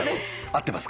合ってます。